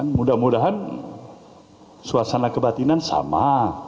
mudah mudahan suasana kebatinan sama